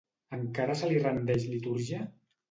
Encara se li rendeix litúrgia?